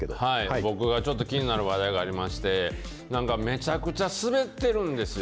僕がちょっと気になる話題がありまして、なんかめちゃくちゃ滑ってるんですよ。